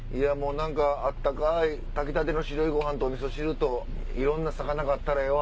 温かい炊きたての白いご飯とおみそ汁といろんな魚があったらええわ。